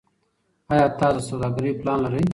ایا تاسو د سوداګرۍ پلان لرئ.